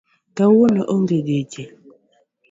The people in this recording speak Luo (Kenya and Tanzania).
Kawuono onge geche